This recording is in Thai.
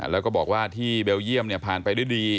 แล้วก็บอกว่าที่เบลเยี่ยมผ่านไปด้วยดี